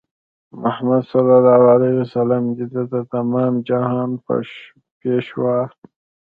محمد دی د تمام جهان پېشوا